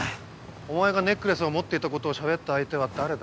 お前がネックレスを持っていたことをしゃべった相手は誰だ？